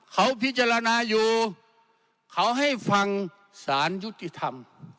เขาพิจารณาอยู่เขาให้ฟังสารยุติธรรม